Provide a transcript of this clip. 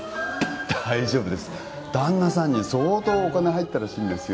大丈夫です旦那さんに相当お金入ったらしいんですよ